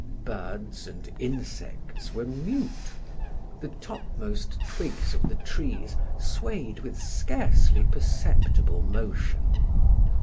Birds and insects were mute; the topmost twigs of the trees swayed with scarcely perceptible motion.